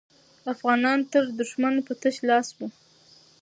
افغانان تر دښمن په تش لاس وو.